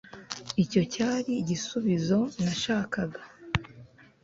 icyo cyari igisubizo nashakaga